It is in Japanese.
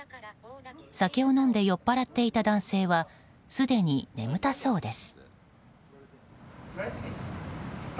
酒を飲んで酔っ払っていた男性はすでに眠たそうです。